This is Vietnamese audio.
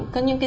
có những cái